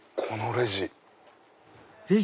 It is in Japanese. レジ？